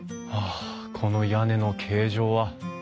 あこの屋根の形状は。